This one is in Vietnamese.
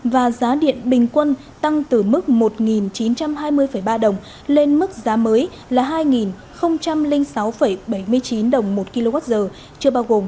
và giá điện bình quân tăng từ mức một chín trăm hai mươi ba đồng lên mức giá mới là hai đồng